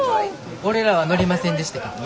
俺らは載りませんでしたけどね。